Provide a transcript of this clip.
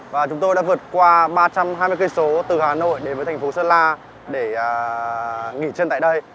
và chúng tôi đã vượt qua ba trăm hai mươi km từ hà nội đến với thành phố sơn la để nghỉ chân tại đây